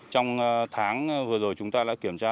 trong tháng vừa rồi chúng ta đã kiểm tra